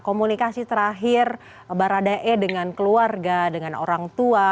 komunikasi terakhir baradae dengan keluarga dengan orang tua